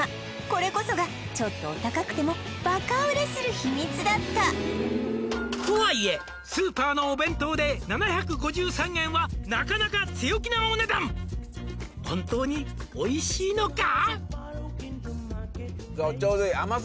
これこそがちょっとお高くてもバカ売れする秘密だった「とはいえスーパーのお弁当で７５３円はなかなか強気なお値段」「本当においしいのか？」